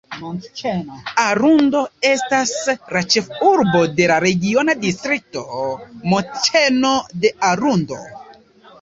Arundo estas la ĉefurbo de la regiona distrikto "Montĉeno de Arundo".